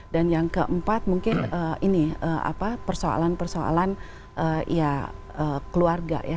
dan yang keempat mungkin ini persoalan persoalan keluarga ya